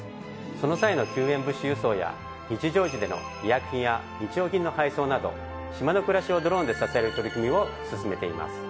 その際の救援物資輸送や日常時での医薬品や日用品の配送など島の暮らしをドローンで支える取り組みを進めています。